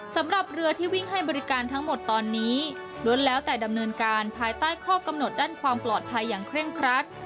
สำหรับเรือที่วิ่งให้บริการทั้งหมดตอนนี้ล้วนแล้วแต่ดำเนินการภายใต้ข้อกำหนดด้านความปลอดภัยอย่างเคร่งครัด